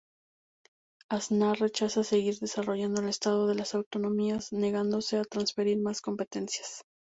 Aznar rechaza seguir desarrollando el Estado de las autonomías, negándose a transferir más competencias.